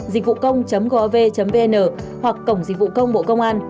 dịchvucông gov vn hoặc cổng dịch vụ công bộ công an